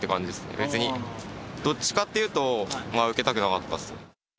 別に、どっちかっていうと、受けたくなかったっす。